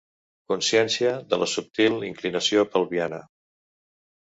Consciència de la subtil inclinació pelviana.